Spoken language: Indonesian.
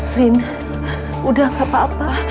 brin udah gak apa apa